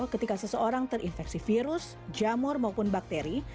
ketika seseorang terinfeksi virus jamur maupun bakteri